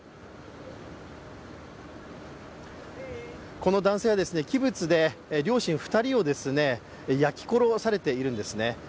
この男性はキブツで両親２人を焼き殺されているんですね。